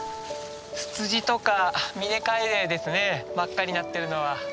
ツツジとかミネカエデですね真っ赤になってるのは。